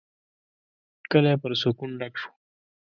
کلی پر سکون ډک شو.